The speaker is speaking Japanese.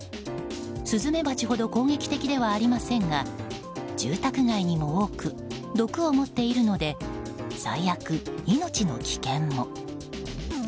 スズメバチほど攻撃的ではありませんが住宅街にも多く毒を持っているので最悪、命の危険も。